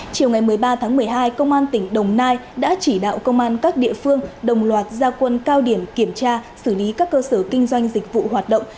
chiều ngày một mươi ba tháng một mươi hai công an tỉnh đồng nai đã chỉ đạo công an các địa phương đồng loạt gia quân cao điểm kiểm tra xử lý các cơ sở kinh doanh dịch vụ hoạt động